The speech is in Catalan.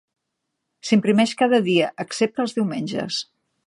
S'imprimeix cada dia, excepte els diumenges.